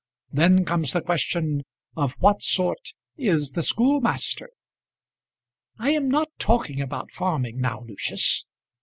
Then comes the question, Of what sort is the schoolmaster?" "I am not talking about farming now, Lucius."